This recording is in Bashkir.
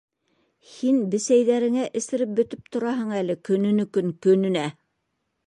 Һин бесәйҙәреңә эсереп бөтөп тораһың әле көнөнөкөн көнөнә...